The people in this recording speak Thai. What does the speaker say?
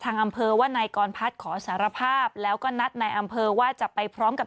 อำเภอว่านายกรพัฒน์ขอสารภาพแล้วก็นัดในอำเภอว่าจะไปพร้อมกับ